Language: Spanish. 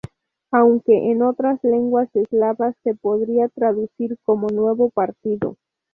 Aunque en otras lenguas eslavas se podría traducir como "Nuevo Partido".